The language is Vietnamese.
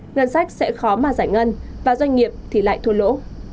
ngân sách sẽ khó mà giải ngân và doanh nghiệp thì lại thua lỗ